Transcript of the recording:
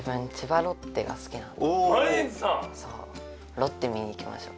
ロッテ見に行きましょう。